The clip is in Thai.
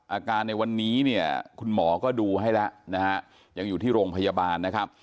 อาการในวันนี้เนี่ยคุณหมอก็ดูให้แล้วนะฮะยังอยู่ที่โรงพยาบาลนะครับ